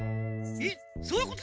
えっそういうこと？